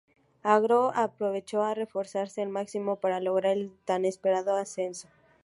Agro, aprovechó a reforzarse al máximo para lograr el tan esperado ascenso.